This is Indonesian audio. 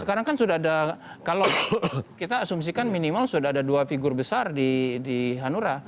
sekarang kan sudah ada kalau kita asumsikan minimal sudah ada dua figur besar di hanura